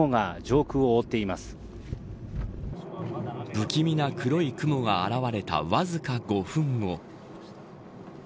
不気味な黒い雲が現れたわずか５分後。